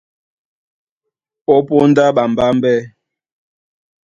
Ó póndá ɓambámbɛ́,